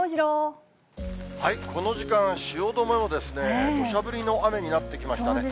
この時間、汐留もですね、どしゃ降りの雨になってきました。